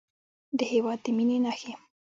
د هېواد د مینې نښې